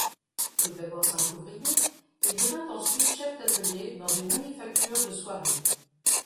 Tout d'abord simple ouvrier, il devint ensuite chef d'atelier dans une manufacture de soieries.